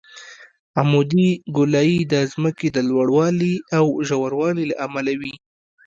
عمودي ګولایي د ځمکې د لوړوالي او ژوروالي له امله وي